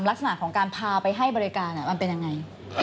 ลักษณะของการพาไปให้บริการมันเป็นยังไง